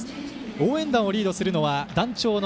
応援団をリードするのは団長の、